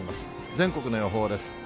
全国の予報です。